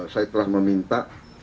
saya telah meminta